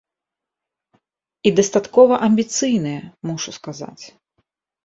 І дастаткова амбіцыйная, мушу сказаць.